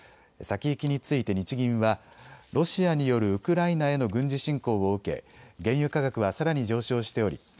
先行きについて日銀はロシアによるウクライナへの軍事侵攻を受け原油価格はさらに上昇しており